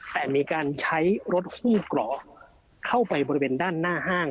แต่มีการใช้รถคู่กรอกเข้าไปบริเวณด้านหน้าห้าง